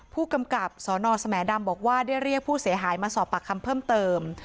ผู้กำกับสนสแหมดำบอกว่าได้เรียกผู้เสียหายมาสอบปากคำเพิ่มเติม